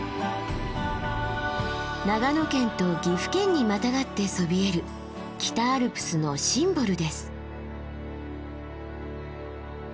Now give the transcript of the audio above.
長野県と岐阜県にまたがってそびえる北アルプスのシンボルです。